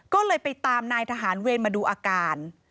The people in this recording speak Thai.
ก็เลยไปตามนายทหารเวรมาดูอาการ